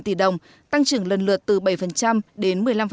chín mươi tỷ đồng tăng trưởng lần lượt từ bảy đến một mươi năm